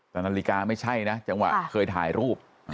แต่นาฬิกาไม่ใช่นะจังหวะเคยถ่ายรูป